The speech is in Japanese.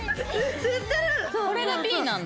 これが「Ｂ」なんだ。